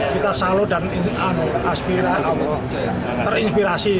kita salu dan terinspirasi